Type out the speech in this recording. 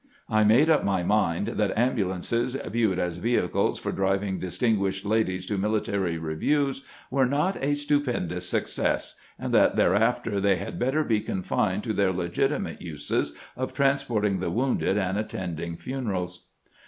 I made up my mind that ambulances, viewed as vehicles for driving distinguished ladies to mili tary reviews, were not a stupendous success, and that thereafter they had better be confined to their legiti mate uses of transporting the wounded and attending funerals.